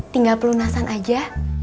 tinggal pelunasan aja